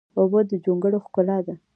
اوبه د جونګړو ښکلا ده.